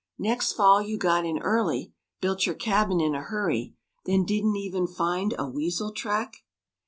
Next fall you got in early, Built your cabin in a hurry,— Then didn't even find a weasel track?